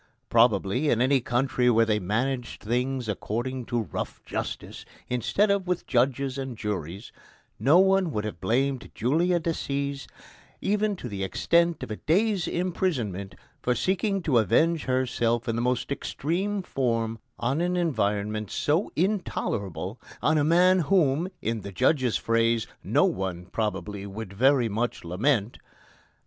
Probably, in any country where they managed things according to "rough justice" instead of with judges and juries, no one would have blamed Julia Decies even to the extent of a day's imprisonment for seeking to avenge herself in the most extreme form on an environment so intolerable on a man whom, in the judge's phrase, "no one, probably, would very much lament."